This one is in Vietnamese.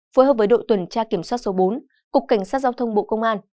phối hợp với đội tuần tra kiểm soát số bốn cục cảnh sát giao thông bộ công an